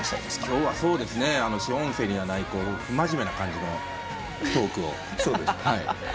今日は主音声にはない不真面目な感じのトークを。